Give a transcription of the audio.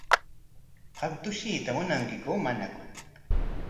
¿Qam tushuyta munankiku manaku?